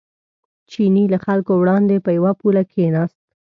چیني له خلکو وړاندې په یوه پوله کېناست.